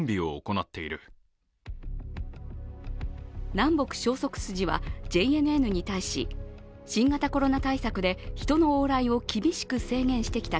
南北消息筋は、ＪＮＮに対し新型コロナ対策で、人の往来を厳しく制限してきた